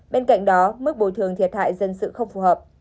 bên cạnh đó mức bồi thường thiệt hại dân sự không phù hợp